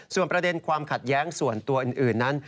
ส่วนประเด็นความขัดแย้งส่วนตัวอื่นนั้น